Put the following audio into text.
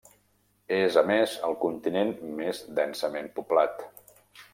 És, a més, el continent més densament poblat.